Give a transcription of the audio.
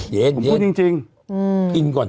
เห้ยเย็นเย็น